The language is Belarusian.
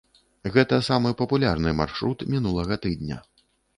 Гэта самы папулярны маршрут мінулага тыдня.